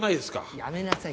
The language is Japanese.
やめなさい。